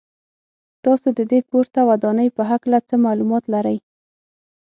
تاسو د دې پورته ودانۍ په هکله څه معلومات لرئ.